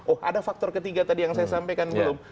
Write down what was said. oh ada faktor ketiga tadi yang saya sampaikan belum